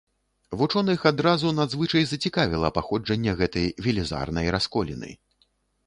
Вучоных адразу надзвычай зацікавіла паходжанне гэтай велізарнай расколіны.